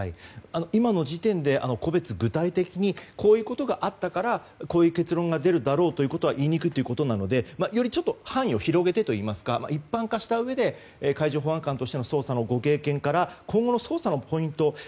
今の時点で、個別具体的にこういうことがあったからこういう結論が出るだろうということは言いにくいということなのでより範囲を広げてといいますか一般化したうえで海上保安官としての捜査のご経験から今後の捜査のポイント